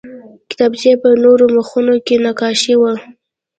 د کتابچې په نورو مخونو کې نقاشي وه